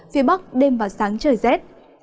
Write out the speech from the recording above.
phía bắc đêm và sáng trời rét